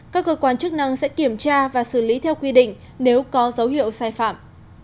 các cơ quan chức năng sẽ kiểm tra và xử lý theo quy định nếu có dấu hiệu sai phạm